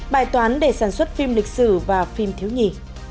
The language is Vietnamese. bài toán để sản xuất phim lịch sử và phim thiếu nhì